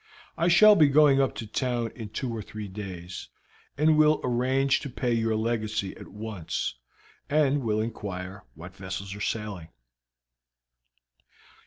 I shall be going up to town in two or three days, and will arrange to pay your legacy at once, and will inquire what vessels are sailing."